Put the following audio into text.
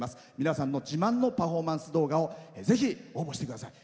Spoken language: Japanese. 皆さんの自慢のパフォーマンス動画をぜひ応募してください。